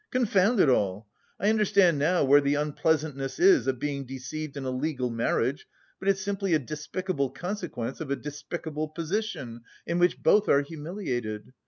Confound it all! I understand now where the unpleasantness is of being deceived in a legal marriage, but it's simply a despicable consequence of a despicable position in which both are humiliated.